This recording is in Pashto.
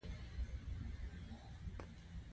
عامو خلکو ته د پوهېدو وړ شعارونه برابر کاندي.